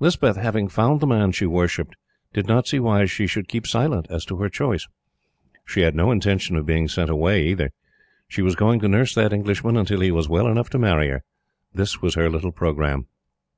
Lispeth, having found the man she worshipped, did not see why she should keep silent as to her choice. She had no intention of being sent away, either. She was going to nurse that Englishman until he was well enough to marry her. This was her little programme.